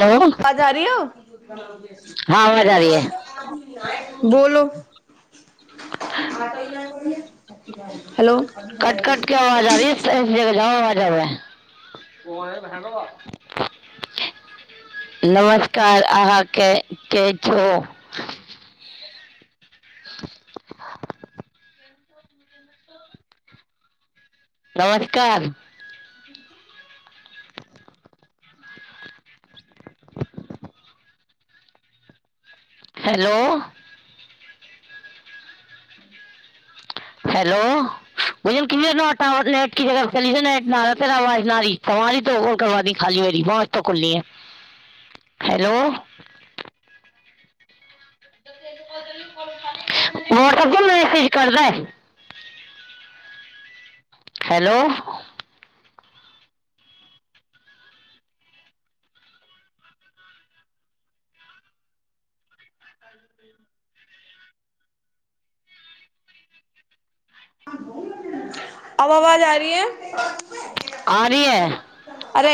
Hello हाँ आाज री हो आवाज आ रही है बोलो [unintelligible] हेलो कट कट के आवाज आ रही [unintelligible] नमस्कार अहाँके के छौ [inaudible] नमस्कार हेलो हेलो [unintelligible] [unintelligible] हेलो अब आवाज आ री है आ रही है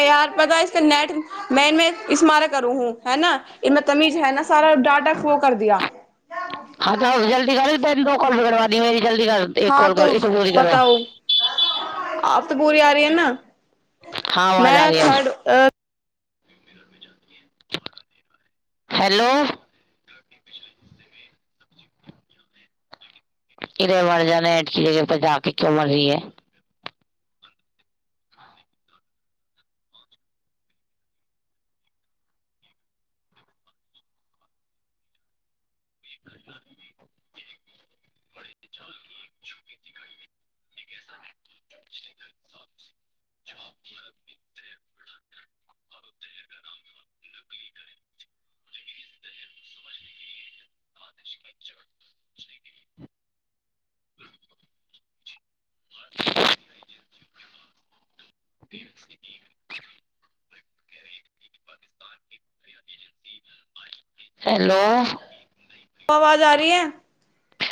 यार पता इस नेट मैन इ्मार करू हू है न इमे तमीज है न सारा ाटा फ्लो कर दिया हँ त जल्ी करी तैन दो [unintelligible] कल करबादी मेरी [unintelligible] जल्दी कर एक हाँ कॉल तो करस जल्ी करह [unintelligible] त पूरी आ रहि ह न आवाज आ रही मैथ है अब। हेलो इधे मर जान ठ की जगह परर जा क क्यो मरी है [unintelligible] [inaudible] ल [inaudible] हेलो आवाज आ रही है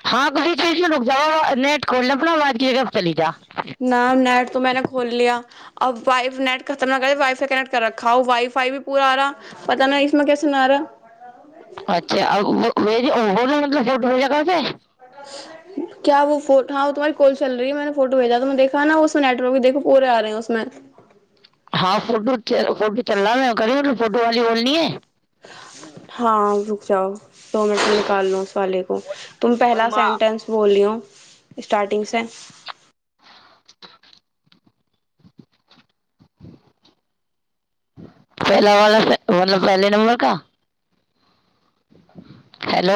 हँ त चीज रुक जा नेट खोल अपना आवाज क चली जा [unintelligible] नाम न [unintelligible] त मैने खोल लिया अब वाइ नेट खतम न कर वाईफाई कने्ट कर रखा वाईफाई भी पूरा आ रहा पता न इसमे कैसे नहि आ रहा ई अंगगर मतब भढर जगा छै [unintelligible] [inaudible] क्य वो हँ ओ तोम्हार कल है फोटो भेजा त देखा ना उस नेटवर्क देख पे आे है उमे हँ फोटो फोटो चलला करीोल फोटो वाली बोल है [unintelligible] हँ [inaudible] जाउ [inaudible] दो मिनटसँ निकाललहु उस वाले को तुम पहला सन्टेन्स बोलियौ स्टार्टिंगसँ पहला वा मतलब पहले नंबर का हेलो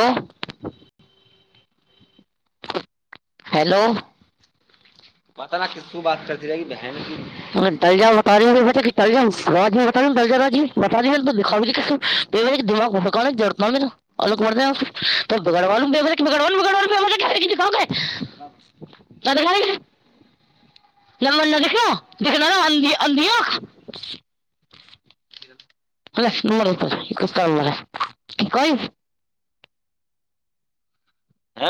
हो पता [unintelligible] त ब [unintelligible] न मनना देखल देखना ने आ आदिय [unintelligible] नर कह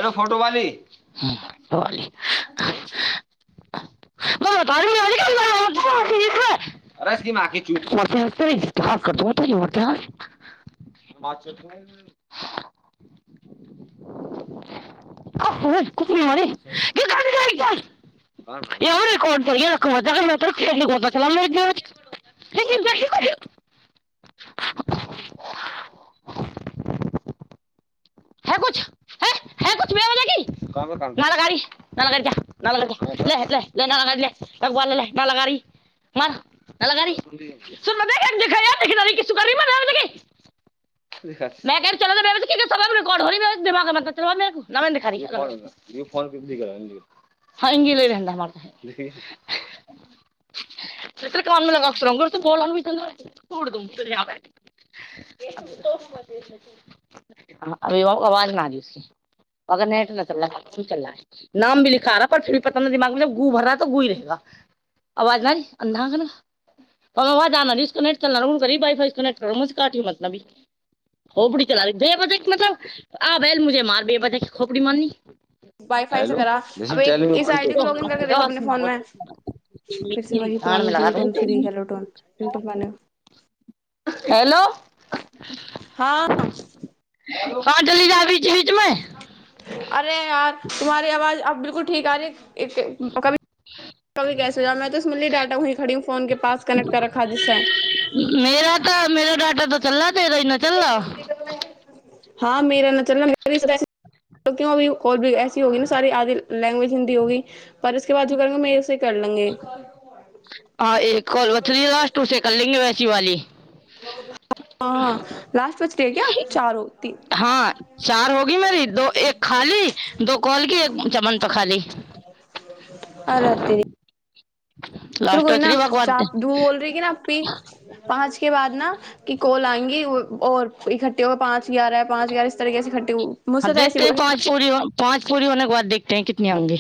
हो फोटोवाल [unintelligible] आ क मार र [unintelligible] ज लगी लगी ली [unintelligible] ल काम [unintelligible] अभी आवाज नी अगर नेट नहि चल चलै नामी लिखा रहा पर फर पता नहि दिमाग मे जब गू भर रहा तऽ गूई रहेगा आवाज न रही अन्धा न आवाज आना रहीसो नेट चलना रह करी वई फाई नेटाटिय मतलबी बी चला ब मतलब [unintelligible] आ वैल मुझे मारबी बता खोपरी मारनी [unintelligible] वाइफाई से करह अब एक इस आई डी को लॉग इन करके तो देखो हाथ अपने ना फोन बोल मे फर से मेरी वह धान पुराना में लगा जिम दूं टोन फ्री हो टोनि ब [unintelligible] हेलो हँ हओ जडली जाबी [unintelligible] अरे यार तुमहारी आवाज अब बु ठीक आाज मेरा तो मेरा डाटा तो चल रहा तेरा ही ना चल रहा [unintelligible] [unintelligible] [unintelligible] होगी ने सारी आदिल लैंग्वेज हिन्दी होगी परसके बाद जो करेंगे मै हँ एक कॉल [unintelligible] शिवाली ह लास्ट बचडे क्य चारो तीन हँ चार होगी मेरी दो एक खाली दो कोलगी एक चमन त खाली चल लास्ट कोई बच न रही है, बाकी बात चाप धू बोल रही की न पी पाँच के बाद न कि कोल आ औ इठ्ठे होए पाँच हजारै पाँच हजारस तरहे [unintelligible] ह देखते है पाँच पूरी पाँच पूरी होने के बाद देखत है कितनी आउंगी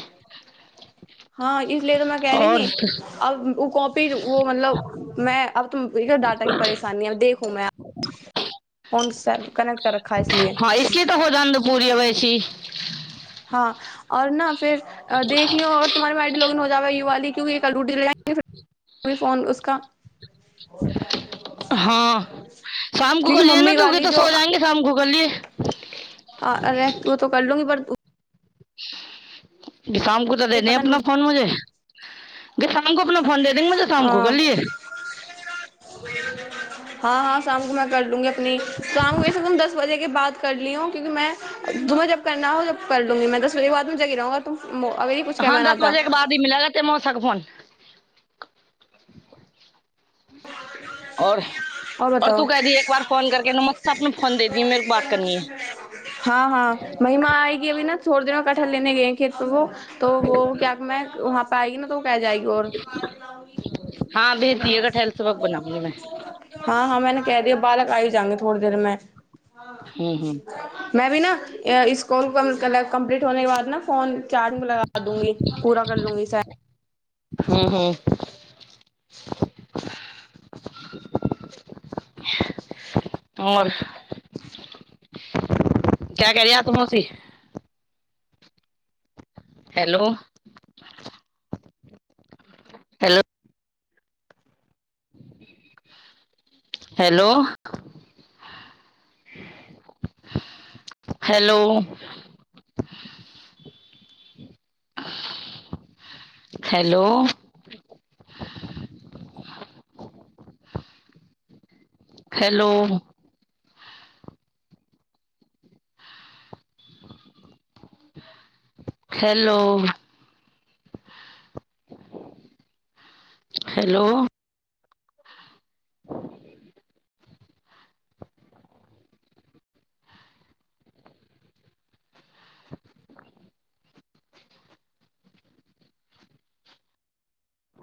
हँ इसलिए त मैं क रही थी अब ओ कपी फिर वो मतलब में अब त इर ाटा ही परेशानी देखू फोन कनेक्ट कर रखा ह इसलि हाँ इसकी तो हो जान दो [unintelligible] हँ आओर न फेर देखलियौऔ तुम्हारे मैइडी लो इन हो आबै युवाली्यूकि [unintelligible] फोन उसका हाँ शाम को कर लिए ना मम्मी तो कि वाली तो जो सो जाएंगे शाम को कर लिए ह व त कर लूंगी पर [inaudible] ज काम तऽ ये देदे पता नहीं अपना टूटा। फोन मुझे सान को अपलब फोन दे देगे मुझे शाम को करलियए हँ हँ शाम को मैं कर लूंगी अपने शाम को वैसे तुम दस बजे के बाद कर लियीौ क्यूि मैं तुम्हं जब करना हो जब कर लूंगीं दस बजे के बाद मुे गिराूगा तुम अगर ये कुछ हँ कहना दस आता बजे के बादी मिललग त सक फन आओर और तू क दी एक बार फोन कर केने फोन दे दी मेर बात करनी हाँ ह कठहर लेने गए हैं क्या त व क्य वहाँ [unintelligible] पइ ने त [unintelligible] प जाइ आर हाँ भेज दिएगा ठहल सबक बनाऊंगी मैं [unintelligible] हँ हँंने कहि दिय बक आयुष [unintelligible] जे थोड़ी देरमें हम्म हम्म मै भी न इस कॉल कम्प्लीट होने के बाद ने फोन चार्जिंग में लगा दूंगी पूरा कर लूंगी स हू हू आर क्य क दय तमसी [unintelligible] hello hello hello hello hello hello hello hello [inaudible] आ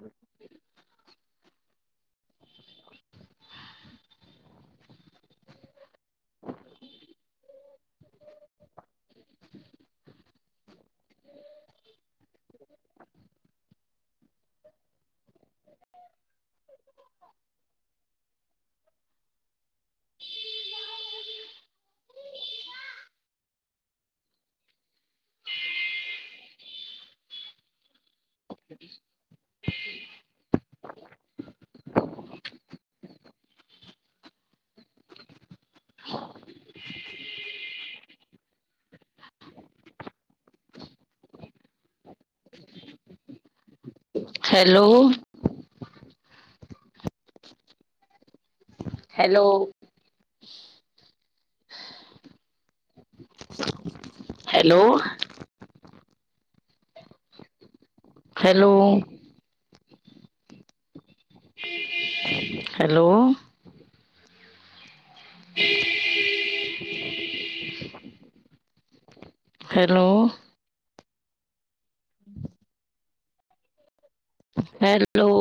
hello hello hello hello hello ह [inaudible] हेलो हेलो